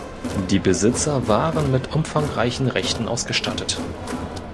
Die Besitzer waren mit umfangreichen Rechten ausgestattet.